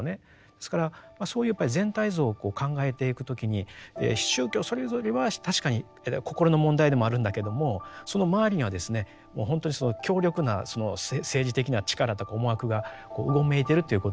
ですからそういうやっぱり全体像をこう考えていく時に宗教それぞれは確かに心の問題でもあるんだけどもその周りにはですねもう本当に強力な政治的な力とか思惑がうごめいてるということをですね